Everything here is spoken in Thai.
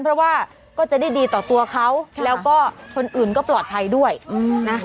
เพราะว่าก็จะได้ดีต่อตัวเขาแล้วก็คนอื่นก็ปลอดภัยด้วยนะ